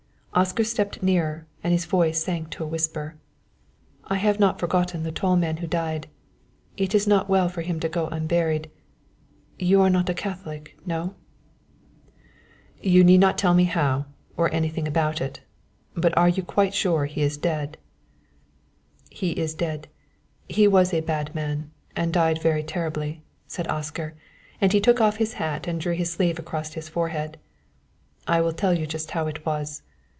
Oscar stepped nearer and his voice sank to a whisper. "I have not forgotten the tall man who died; it is not well for him to go unburied. You are not a Catholic no?" "You need not tell me how or anything about it but you are sure he is quite dead?" "He is dead; he was a bad man, and died very terribly," said Oscar, and he took off his hat and drew his sleeve across his forehead. "I will tell you just how it was.